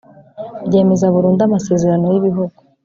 ryemeza burundu amasezerano yibihugu